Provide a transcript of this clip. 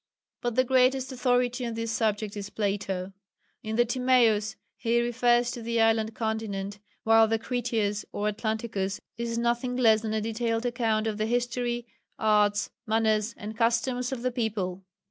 But the greatest authority on this subject is Plato. In the Timæus he refers to the island continent, while the Critias or Atlanticus is nothing less than a detailed account of the history, arts, manners and customs of the people.